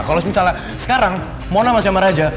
kalau misalnya sekarang mona masih sama raja